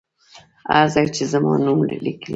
هر ځای چې زما نوم لیکلی.